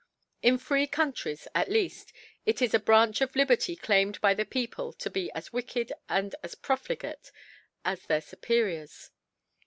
In free Coun tries, at leaP; it is a Branch of Liberty claimed by the People to be as wicked and as profligate as their Superiors.